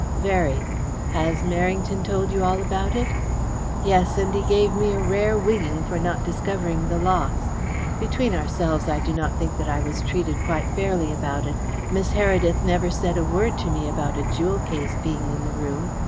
"Very. Has Merrington told you all about it?" "Yes, and he gave me a rare wigging for not discovering the loss. Between ourselves, I do not think that I was treated quite fairly about it. Miss Heredith never said a word to me about a jewel case being in the room.